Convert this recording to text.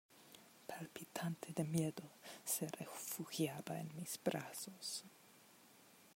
palpitante de miedo, se refugiaba en mis brazos.